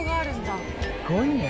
すごいね。